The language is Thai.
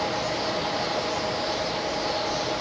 ต้องเติมเนี่ย